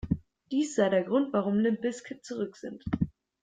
Dies sei der Grund, warum Limp Bizkit zurück sind.